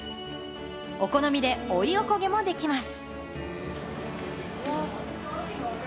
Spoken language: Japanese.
お好みで追いおこげもできます。